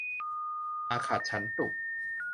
อาคัจฉันตุ